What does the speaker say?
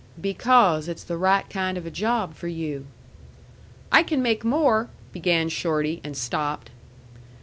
"Because it's the right kind of a job for you." "I can make more " began Shorty, and stopped.